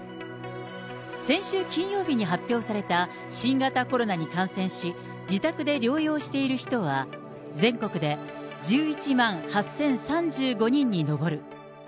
先週金曜日に発表された、新型コロナに感染し、自宅で療養している人は、全国で１１万８０３５人に上る。